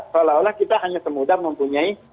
seolah olah kita hanya semudah mempunyai